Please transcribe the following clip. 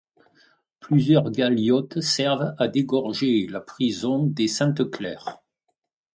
Plusieurs galiotes servent à dégorger la prison des Saintes-Claires.